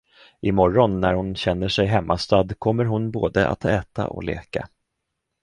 I morgon, när hon känner sig hemmastadd, kommer hon både att äta och leka.